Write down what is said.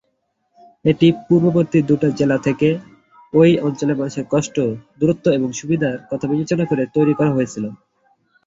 এটি পূর্ববর্তী ডোডা জেলা থেকে এই অঞ্চলের মানুষের কষ্ট, দূরত্ব এবং সুবিধার কথা বিবেচনা করে তৈরি করা হয়েছিল।